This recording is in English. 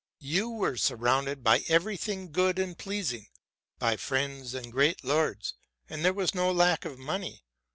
You were surrounded by every thing good and pleasing, by friends and great lords; and there was no lack of money.